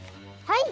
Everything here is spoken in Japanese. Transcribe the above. はい！